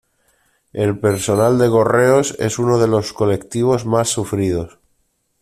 El personal de correos es uno de los colectivos más sufridos.